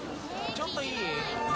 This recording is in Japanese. ちょっといい？